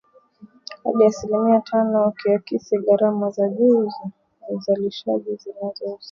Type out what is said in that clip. Hadi asilimia tano ukiakisi gharama za juu za uzalishaji zinazohusishwa na mafuta na usafirishaji